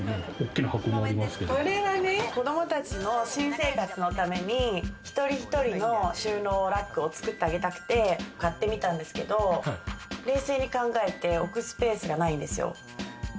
これは子供たちの新生活のために一人一人の収納ラックを作ってあげたくて買ってみたんですけど冷静に考えて、おくスペースがないんですよ。